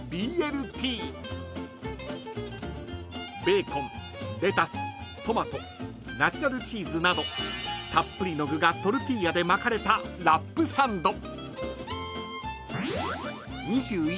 ［ベーコンレタストマトナチュラルチーズなどたっぷりの具がトルティーヤで巻かれたラップサンド］